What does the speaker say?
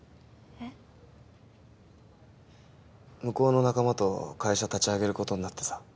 向こうの仲間と会社立ち上げることになってさ。